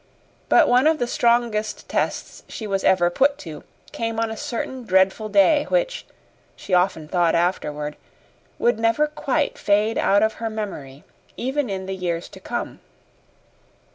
But one of the strongest tests she was ever put to came on a certain dreadful day which, she often thought afterward, would never quite fade out of her memory even in the years to come.